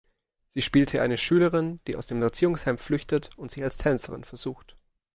Sie spielte eine Schülerin, die aus dem Erziehungsheim flüchtet und sich als Tänzerin versucht.